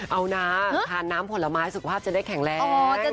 เอานะทานน้ำผลไม้สุขภาพจะได้แข็งแรง